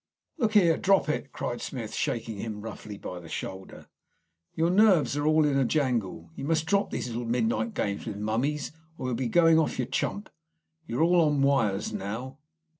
"Look here! Drop it!" cried Smith, shaking him roughly by the shoulder. "Your nerves are all in a jangle. You must drop these little midnight games with mummies, or you'll be going off your chump. You're all on wires now."